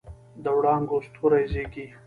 د وړانګو ستوري زیږي